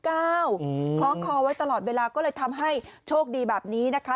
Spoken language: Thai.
คล้องคอไว้ตลอดเวลาก็เลยทำให้โชคดีแบบนี้นะคะ